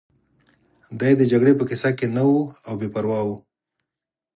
دی د جګړې په کیسه کې نه و او بې پروا و